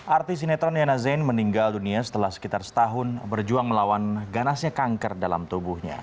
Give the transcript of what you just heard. artis sinetron yana zain meninggal dunia setelah sekitar setahun berjuang melawan ganasnya kanker dalam tubuhnya